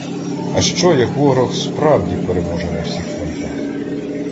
А що, як ворог справді переможе на всіх фронтах?!